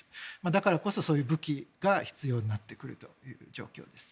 だからこそ、そういう武器が必要になってくるという状況です。